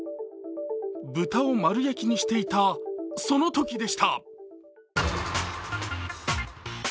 豚を丸焼きにしていたそのときでした。